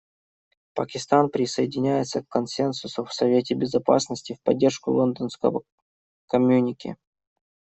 Пакистан присоединяется к консенсусу в Совете Безопасности в поддержку Лондонского коммюнике.